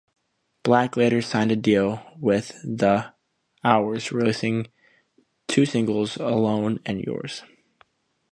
Black later signed a deal with The:Hours, releasing two singles, "Alone" and "Yours".